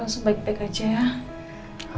elson baik baik aja ya